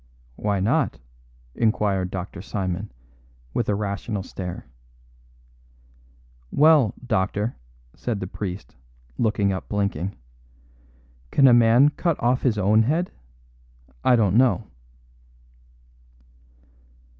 "Why not?" inquired Dr. Simon, with a rational stare. "Well, doctor," said the priest, looking up blinking, "can a man cut off his own head? I don't know."